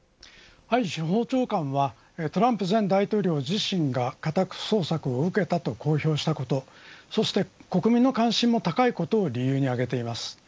司法長官はトランプ前大統領自身が家宅捜索を受けたと公表したことそして国民の関心も高いことを理由に挙げています。